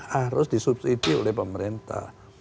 harus disubsidi oleh pemerintah